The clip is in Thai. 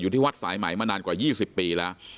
ที่วัดสายไหมมานานกว่า๒๐ปีแล้ว